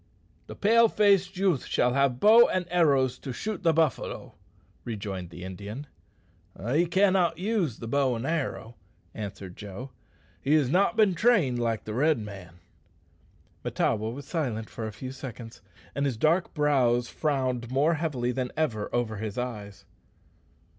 "The pale faced youth shall have a bow and arrows to shoot the buffalo," rejoined the Indian. "He cannot use the bow and arrow," answered Joe. "He has not been trained like the Red man." Mahtawa was silent for a few seconds, and his dark brows frowned more heavily than ever over his eyes.